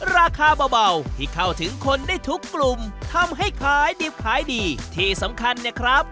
ราคาเบาที่เข้าถึงคนได้ทุกกลุ่มทำให้ขายดิบขายดีที่สำคัญเนี่ยครับ